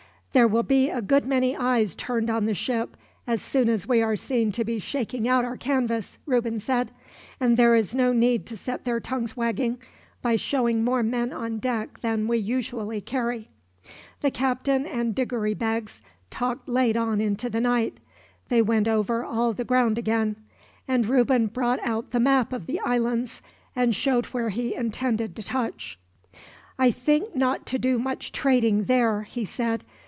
"There will be a good many eyes turned on the ship, as soon as we are seen to be shaking out our canvas," Reuben said; "and there is no need to set their tongues wagging, by showing more men on deck than we usually carry." The captain and Diggory Beggs talked late on into the night. They went over all the ground again; and Reuben brought out the map of the islands, and showed where he intended to touch. "I think not to do much trading there," he said.